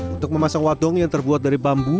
untuk memasang wadong yang terbuat dari bambu